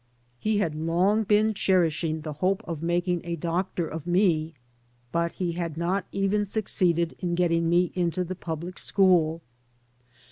'' He had long been cherishing the hope of making a doctor of me, but he had not even succeeded in getting me into the public school.